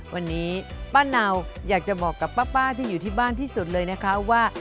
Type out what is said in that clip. วันนี้ป้าเนาอยากจะบอกกับป้าที่อยู่ที่บ้านที่สุดเลยนะคะว่า